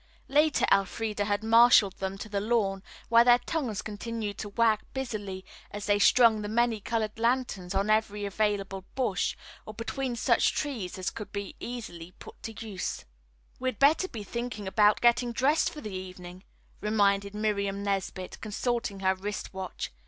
Later Elfreda had marshalled them to the lawn, where their tongues continued to wag busily as they strung the many colored lanterns on every available bush, or between such trees as could be easily put into use. "We'd better be thinking about getting dressed for the evening," reminded Miriam Nesbit, consulting her wrist watch.